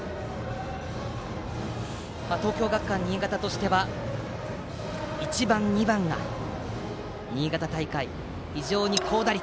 東京学館新潟としては１番、２番が新潟大会で非常に高打率。